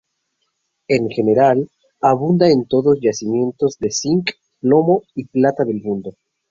En general, abunda en todos los yacimientos de cinc, plomo y plata del mundo.